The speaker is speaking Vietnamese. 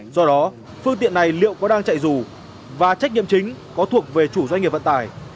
do đó phương tiện này liệu có đang chạy dù và trách nhiệm chính có thuộc về chủ doanh nghiệp vận tải